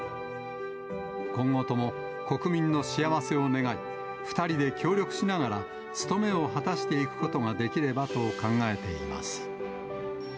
今後とも、国民の幸せを願い、２人で協力しながら、務めを果たしていくことができればと考えています。